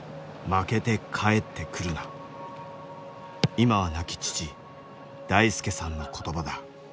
今は亡き父大輔さんの言葉だ。